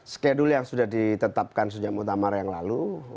skedul yang sudah ditetapkan sejak mutamar yang lalu